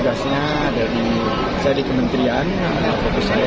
ke warganya timotipnya tidak akan buku diperhatikan percorotan